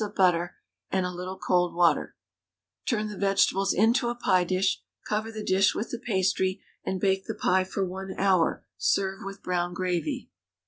of butter, and a little cold water; turn the vegetables into a pie dish, cover the dish with the pastry, and bake the pie for 1 hour; serve with brown gravy.